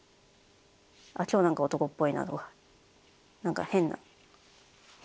今日何か男っぽいなとか何か変な変動が。